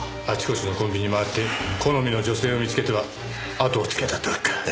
あちこちのコンビニ回って好みの女性を見つけてはあとをつけたってわけか。